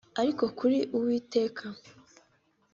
ariko kuri Uwiteka